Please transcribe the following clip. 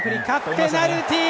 ペナルティー！